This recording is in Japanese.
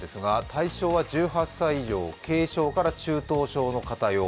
対象は１８歳以上、軽症から中等症の方用。